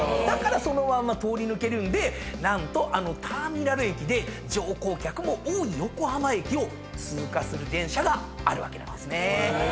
だからそのまま通り抜けるんで何とあのターミナル駅で乗降客も多い横浜駅を通過する電車があるわけなんですね。